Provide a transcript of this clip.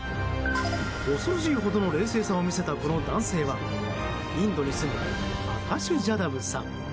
恐ろしいほどの冷静さを見せたこの男性はインドに住むアカシュ・ジャダブさん。